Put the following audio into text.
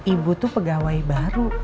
ibu tuh pegawai baru